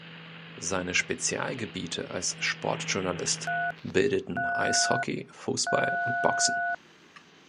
Seine Spezialgebiete als Sportjournalist bildeten Eishockey, Fußball und Boxen.